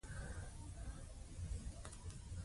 کرکټرونه او د هغوی تحلیل: